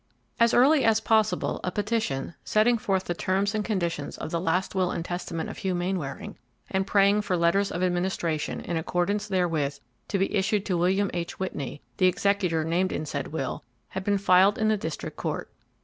As early as possible, a petition, setting forth the terms and conditions of the last will and testament of Hugh Mainwaring, and praying for letters of administration in accordance therewith to be issued to William H. Whitney, the executor named in said will, had been filed in the district court.